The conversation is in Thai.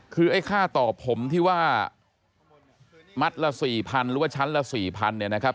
คือไอ้ค่าตอบผมที่ว่ามัดละ๔๐๐๐หรือว่าชั้นละ๔๐๐เนี่ยนะครับ